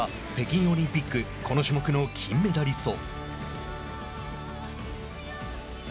高木は北京オリンピックこの種目の金メダリスト。